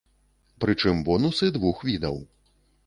Прычым, бонусы двух відаў.